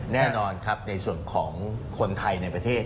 แน่นอนครับในส่วนของคนไทยในประเทศ